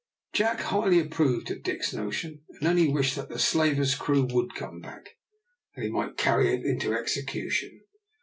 Jack highly approved of Dick's notion, and only wished that the slaver's crew would come back, that he might carry it into execution.